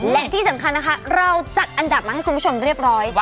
และที่สำคัญนะคะเราจัดอันดับมาให้คุณผู้ชมเรียบร้อย